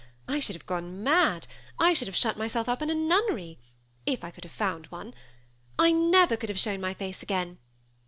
I should have gone mad. I should have shut myself up in a nunnery, if I could have found one. I never could have shown my face again.